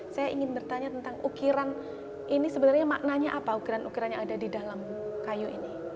saya ingin bertanya tentang ukiran ini sebenarnya maknanya apa ukiran ukiran yang ada di dalam kayu ini